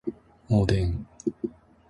おでん